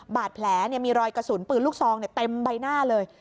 บาดแผลเนี้ยมีรอยกระสุนปืนลูกซองเนี้ยเต็มใบหน้าเลย